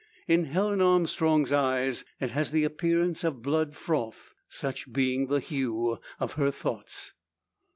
In Helen Armstrong's eyes it has the appearance of blood froth such being the hue of her thoughts.